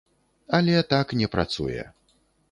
Але так не працуе.